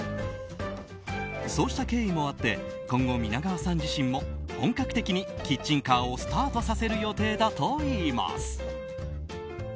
そうした経緯もあって今後、皆川さん自身も本格的にキッチンカーをスタートさせる予定だといいます。